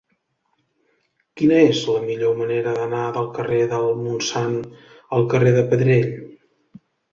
Quina és la millor manera d'anar del carrer del Montsant al carrer de Pedrell?